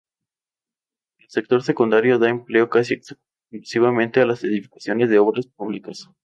El sector secundario da empleo casi exclusivamente en las edificaciones de obras públicas.